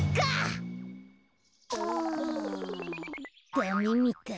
ダメみたい。